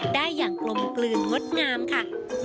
ได้อย่างกลมกลืนงดงามค่ะ